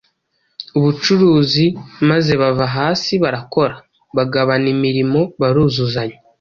ubucuruzi maze bava hasi barakora, bagabana imirimo baruzuzanya,